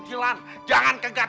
tika bilangnya anak perempuan